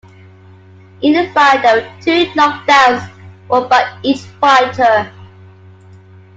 In the fight there were two knockdowns, one by each fighter.